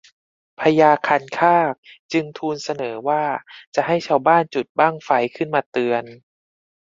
พญาคันคากจึงทูลเสนอว่าจะให้ชาวบ้านจุดบั้งไฟขึ้นมาเตือน